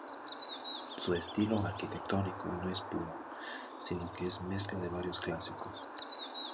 Su estilo arquitectónico no es puro, sino que es mezcla de varios clásicos.